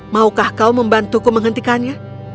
maukah kau membantuku menghentikannya